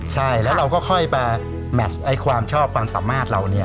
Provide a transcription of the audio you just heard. ใช่แล้วเราก็ค่อยไปแมชความชอบความสามารถเราเนี่ย